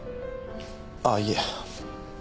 あぁいえ。